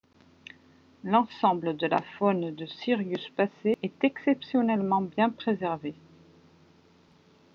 L'ensemble de la faune de Sirius Passet est exceptionnellement bien préservé.